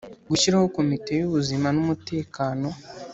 gushyiraho komite y ubuzima n umutekano